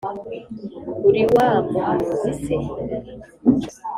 uri wa Muhanuzi se